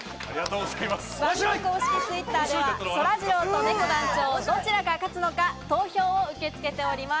番組公式Ｔｗｉｔｔｅｒでは、そらジローとねこ団長、どちらが勝つのか投票を受け付けています。